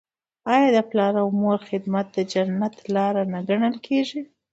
آیا د پلار او مور خدمت د جنت لاره نه ګڼل کیږي؟